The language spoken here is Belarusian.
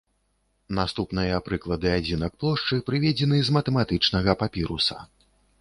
Наступныя прыклады адзінак плошчы прыведзены з матэматычнага папіруса.